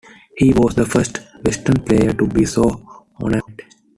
He was the first Western player to be so honored.